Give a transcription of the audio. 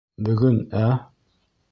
Бөгөн, ә?